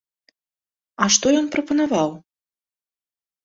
А што ён прапанаваў?